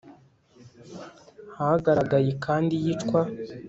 hagaragaye kandi iyicwa